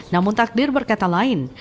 namun takdir berkata lain